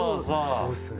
そうですね。